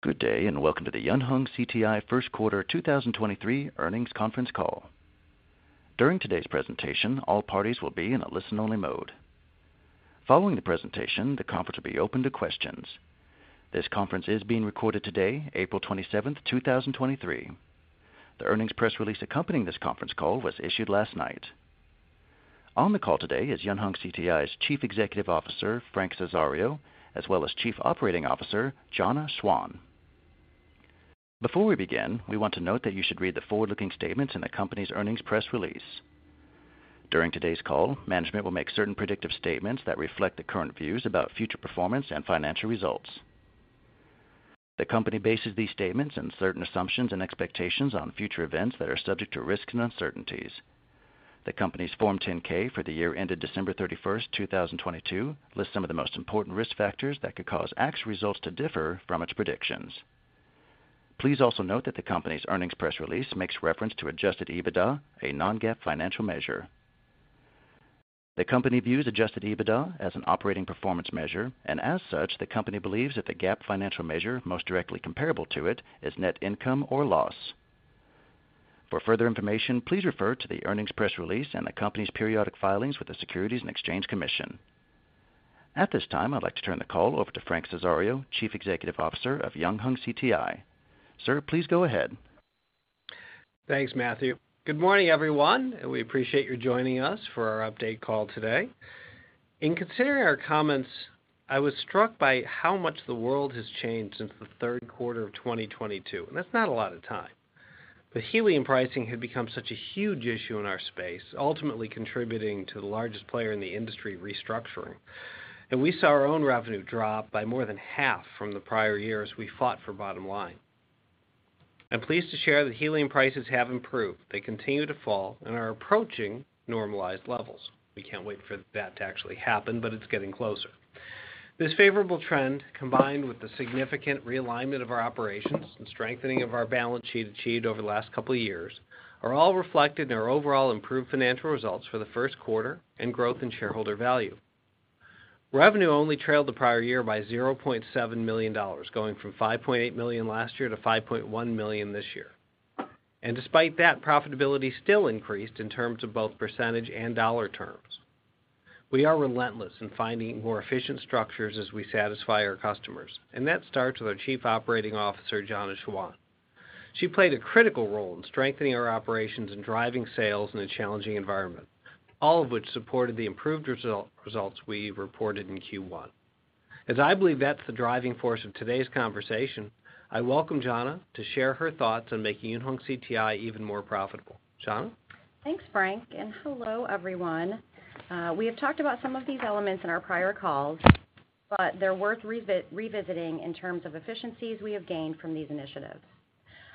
Good day, and welcome to the Yunhong CTI First Quarter 2023 Earnings Conference Call. During today's presentation, all parties will be in a listen-only mode. Following the presentation, the conference will be open to questions. This conference is being recorded today, April 27, 2023. The earnings press release accompanying this conference call was issued last night. On the call today is Yunhong CTI's Chief Executive Officer, Frank Cesario, as well as Chief Operating Officer, Jana Schwan. Before we begin, we want to note that you should read the forward-looking statements in the company's earnings press release. During today's call, management will make certain predictive statements that reflect the current views about future performance and financial results. The company bases these statements on certain assumptions and expectations on future events that are subject to risks and uncertainties. The company's Form 10-K for the year ended December 31st, 2022 lists some of the most important risk factors that could cause its results to differ from its predictions. Please also note that the company's earnings press release makes reference to Adjusted EBITDA, a non-GAAP financial measure. The company views Adjusted EBITDA as an operating performance measure, and as such, the company believes that the GAAP financial measure most directly comparable to it is net income or loss. For further information, please refer to the earnings press release and the company's periodic filings with the Securities and Exchange Commission. At this time, I'd like to turn the call over to Frank Cesario, Chief Executive Officer of Yunhong CTI. Sir, please go ahead. Thanks, Matthew. Good morning, everyone, we appreciate you joining us for our update call today. In considering our comments, I was struck by how much the world has changed since the third quarter of 2022, that's not a lot of time. Helium pricing had become such a huge issue in our space, ultimately contributing to the largest player in the industry restructuring. We saw our own revenue drop by more than half from the prior years we fought for bottom line. I'm pleased to share that helium prices have improved. They continue to fall and are approaching normalized levels. We can't wait for that to actually happen, but it's getting closer. This favorable trend, combined with the significant realignment of our operations and strengthening of our balance sheet achieved over the last couple of years, are all reflected in our overall improved financial results for the first quarter and growth in shareholder value. Revenue only trailed the prior year by $0.7 million, going from $5.8 million last year to $5.1 million this year. Despite that, profitability still increased in terms of both % and dollar terms. We are relentless in finding more efficient structures as we satisfy our customers, that starts with our Chief Operating Officer, Jana Schwan. She played a critical role in strengthening our operations and driving sales in a challenging environment, all of which supported the improved results we reported in Q1. As I believe that's the driving force of today's conversation, I welcome Jana to share her thoughts on making Yunhong Green CTI even more profitable. Jana? Thanks, Frank, and hello, everyone. We have talked about some of these elements in our prior calls, but they're worth revisiting in terms of efficiencies we have gained from these initiatives.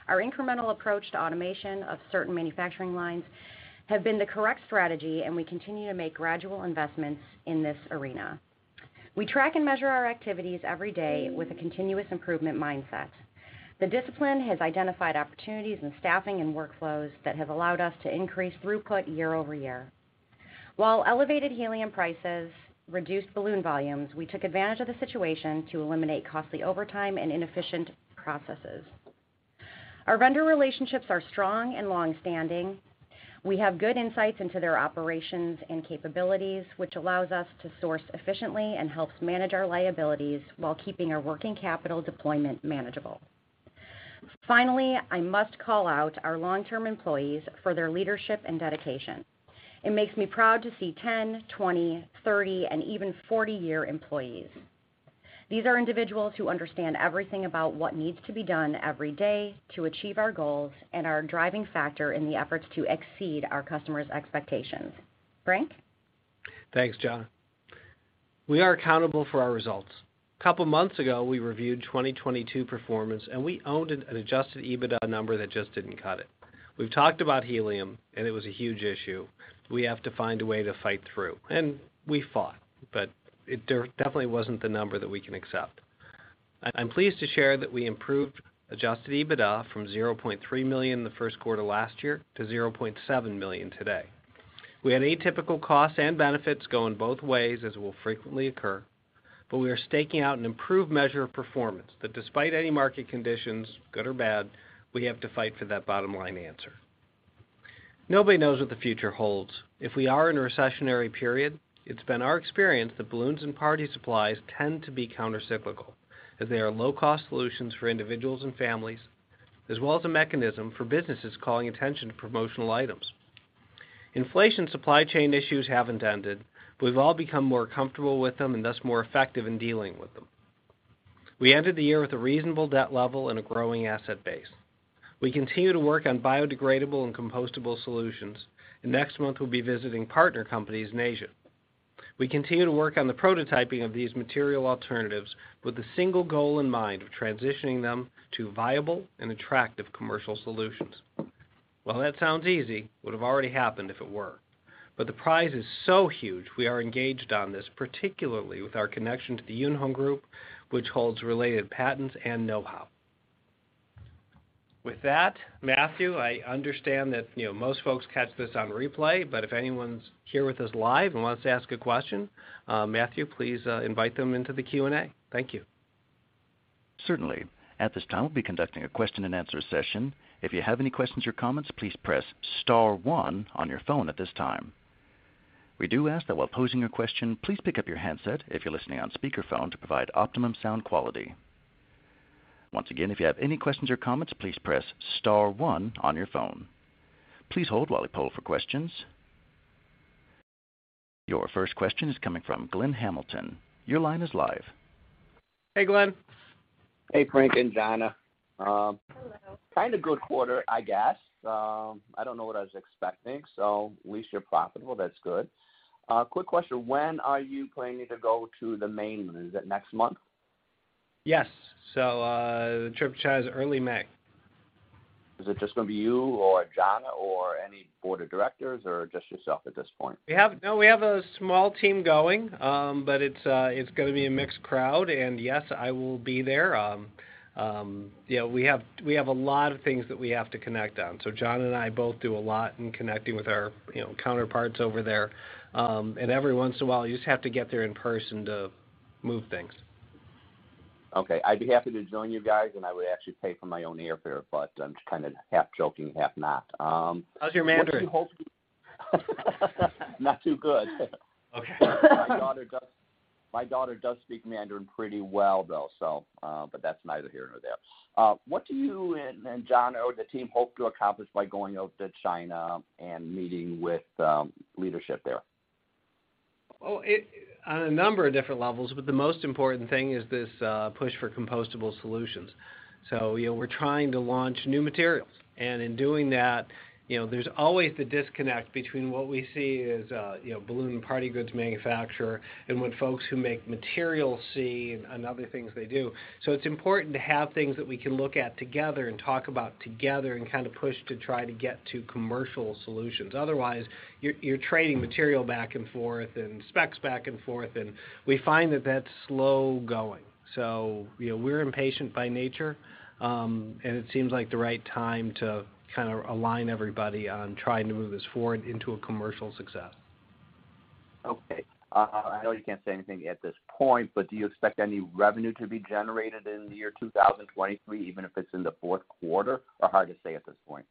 Our incremental approach to automation of certain manufacturing lines have been the correct strategy, and we continue to make gradual investments in this arena. We track and measure our activities every day with a continuous improvement mindset. The discipline has identified opportunities in staffing and workflows that have allowed us to increase throughput year-over-year. While elevated helium prices reduced balloon volumes, we took advantage of the situation to eliminate costly overtime and inefficient processes. Our vendor relationships are strong and longstanding. We have good insights into their operations and capabilities, which allows us to source efficiently and helps manage our liabilities while keeping our working capital deployment manageable. I must call out our long-term employees for their leadership and dedication. It makes me proud to see 10, 20, 30, and even 40-year employees. These are individuals who understand everything about what needs to be done every day to achieve our goals and are a driving factor in the efforts to exceed our customers' expectations. Frank? Thanks, Jana. We are accountable for our results. A couple months ago, we reviewed 2022 performance, we owned an Adjusted EBITDA number that just didn't cut it. We've talked about helium, and it was a huge issue. We have to find a way to fight through. We fought, definitely wasn't the number that we can accept. I'm pleased to share that we improved Adjusted EBITDA from $0.3 million the first quarter last year to $0.7 million today. We had atypical costs and benefits going both ways as will frequently occur, we are staking out an improved measure of performance that despite any market conditions, good or bad, we have to fight for that bottom-line answer. Nobody knows what the future holds. If we are in a recessionary period, it's been our experience that balloons and party supplies tend to be countercyclical, as they are low-cost solutions for individuals and families, as well as a mechanism for businesses calling attention to promotional items. Inflation supply chain issues haven't ended, but we've all become more comfortable with them and thus more effective in dealing with them. We ended the year with a reasonable debt level and a growing asset base. We continue to work on biodegradable and compostable solutions, and next month we'll be visiting partner companies in Asia. We continue to work on the prototyping of these material alternatives with the single goal in mind of transitioning them to viable and attractive commercial solutions. While that sounds easy, would have already happened if it were. The prize is so huge we are engaged on this, particularly with our connection to the Yunhong Group, which holds related patents and know-how. With that, Matthew, I understand that, you know, most folks catch this on replay, but if anyone's here with us live and wants to ask a question, Matthew, please invite them into the Q&A. Thank you. Certainly. At this time, we'll be conducting a question and answer session. If you have any questions or comments, please press star one on your phone at this time. We do ask that while posing your question, please pick up your handset if you're listening on speakerphone to provide optimum sound quality. Once again, if you have any questions or comments, please press star one on your phone. Please hold while we poll for questions. Your first question is coming from Glenn Hamilton. Your line is live. Hey, Glenn. Hey, Frank and Jana. Hello. Kind of good quarter, I guess. I don't know what I was expecting, at least you're profitable. That's good. Quick question. When are you planning to go to the mainland? Is it next month? Yes. The trip shows early May. Is it just gonna be you or Jana or any board of directors or just yourself at this point? No, we have a small team going, but it's gonna be a mixed crowd. Yes, I will be there. You know, we have a lot of things that we have to connect on. Jana and I both do a lot in connecting with our, you know, counterparts over there. Every once in a while, you just have to get there in person to move things. Okay. I'd be happy to join you guys. I would actually pay for my own airfare. I'm kind of half joking, half not. How's your Mandarin? Not too good. Okay. My daughter does speak Mandarin pretty well, though, that's neither here nor there. What do you and Jana or the team hope to accomplish by going out to China and meeting with leadership there? Well, on a number of different levels, but the most important thing is this push for compostable solutions. You know, we're trying to launch new materials. In doing that, you know, there's always the disconnect between what we see as a, you know, balloon party goods manufacturer and what folks who make materials see and other things they do. It's important to have things that we can look at together and talk about together and kind of push to try to get to commercial solutions. Otherwise, you're trading material back and forth and specs back and forth, and we find that that's slow going. You know, we're impatient by nature, and it seems like the right time to kind of align everybody on trying to move this forward into a commercial success. Okay. I know you can't say anything at this point, but do you expect any revenue to be generated in the year 2023, even if it's in the fourth quarter, or hard to say at this point?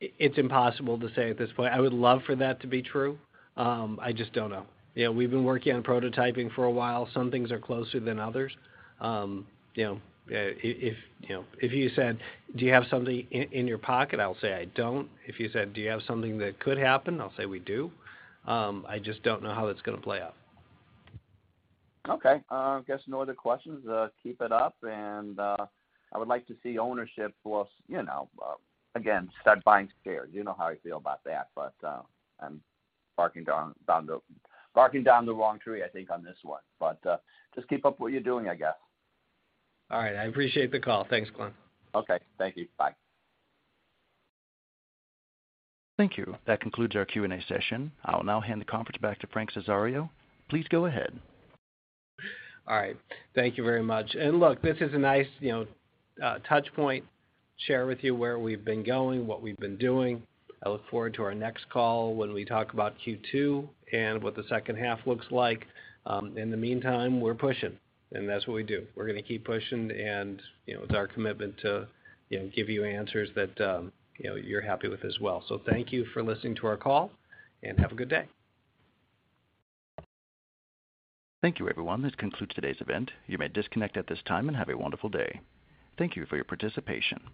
It's impossible to say at this point. I would love for that to be true. I just don't know. You know, we've been working on prototyping for a while. Some things are closer than others. You know, if, you know, if you said, "Do you have something in your pocket?" I'll say, "I don't." If you said, "Do you have something that could happen?" I'll say, "We do." I just don't know how it's gonna play out. Okay. I guess no other questions. Keep it up. I would like to see ownership loss, you know, again, start buying shares. You know how I feel about that, but, I'm barking down the wrong tree, I think, on this one. Just keep up what you're doing, I guess. All right. I appreciate the call. Thanks, Glenn. Okay. Thank you. Bye. Thank you. That concludes our Q&A session. I'll now hand the conference back to Frank Cesario. Please go ahead. All right. Thank you very much. Look, this is a nice, you know, touch point, share with you where we've been going, what we've been doing. I look forward to our next call when we talk about Q2 and what the second half looks like. In the meantime, we're pushing, and that's what we do. We're gonna keep pushing and, you know, with our commitment to, you know, give you answers that, you know, you're happy with as well. Thank you for listening to our call, and have a good day. Thank you, everyone. This concludes today's event. You may disconnect at this time, and have a wonderful day. Thank you for your participation.